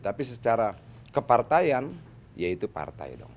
tapi secara kepartaian ya itu partai dong